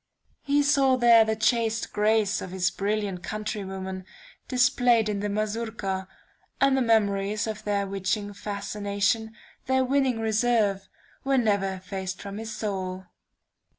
He saw there the chaste grace of his brilliant countrywomen displayed in the Mazourka, and the memories of their witching fascination, their winning reserve, were never effaced from his soul.